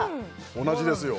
同じですよ